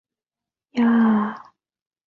于兹为下邳相笮融部下。